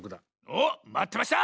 おっまってました！